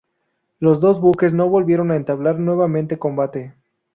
Los dos buques no volvieron a entablar nuevamente combate.